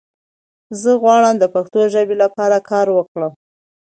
زۀ غواړم د پښتو ژبې لپاره کار وکړم!